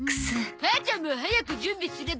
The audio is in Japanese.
母ちゃんも早く準備すれば？